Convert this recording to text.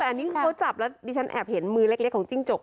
แต่อันนี้ครูจับแล้วอันนี้ฉันแอบเห็นมือเล็กของจิ้งจก